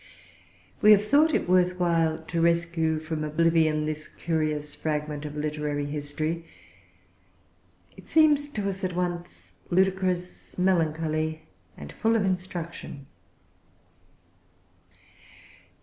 We have thought it worth while to rescue from oblivion this curious fragment of literary history. It seems to us at once ludicrous, melancholy, and full of instruction.